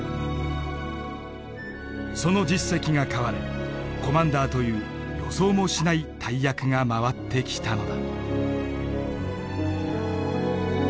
その実績が買われコマンダーという予想もしない大役が回ってきたのだ。